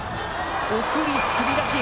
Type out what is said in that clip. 送りつり出し！